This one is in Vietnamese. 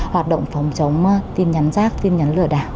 hoạt động phòng chống tin nhắn rác tin nhắn lừa đảo